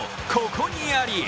ここにあり。